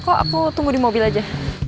kok aku tunggu di mobil aja